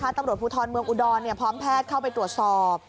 ตำรวจภูทรเมืองอุดรพร้อมแพทย์เข้าไปตรวจสอบ